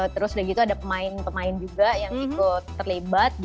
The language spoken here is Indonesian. terus ada pemain pemain juga yang ikut terlibat